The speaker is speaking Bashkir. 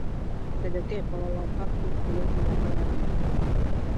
Бәләкәй балаларға ут менән уйнарға ярамай!